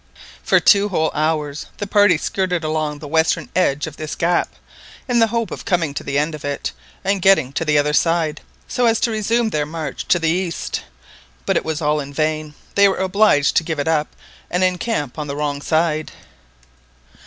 For two whole hours the party skirted along the western edge of this gap, in the hope of coming to the end of it and getting to the other side, so as to resume their march to the east, but it was all in vain, they were obliged to give it up and encamp on the wrong side.